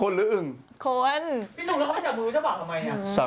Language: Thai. พี่นุงพี่เขาไปจับมือจ้าบ่าวทำไมอ่ะ